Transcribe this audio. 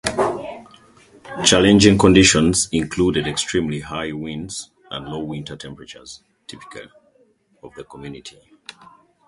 Challenging conditions included extremely high winds and low winter temperatures typical of the community.